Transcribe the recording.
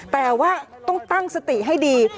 แต่ว่าต้องตั้งสติให้ดี